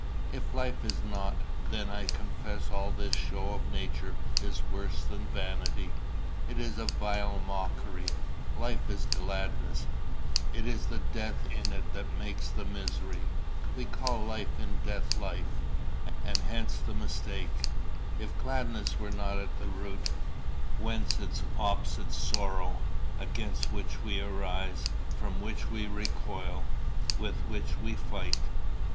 "If life is not, then I confess all this show of nature is worse than vanity it is a vile mockery. Life is gladness; it is the death in it that makes the misery. We call life in death life, and hence the mistake. If gladness were not at the root, whence its opposite sorrow, against which we arise, from which we recoil, with which we fight?